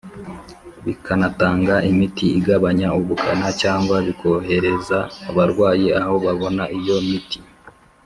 bikanatanga imiti igabanya ubukana, cyangwa bikohereza abarwayi aho babona iyo miti.